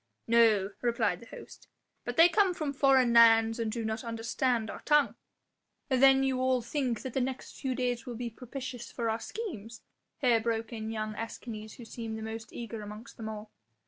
"No," replied the host, "but they come from foreign lands and do not understand our tongue." "Then you all think that the next few days will be propitious for our schemes?" here broke in young Escanes who seemed the most eager amongst them all.